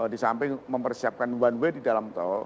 di samping mempersiapkan one way di dalam tol